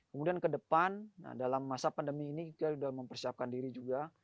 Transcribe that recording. kemudian ke depan dalam masa pandemi ini kita sudah mempersiapkan diri juga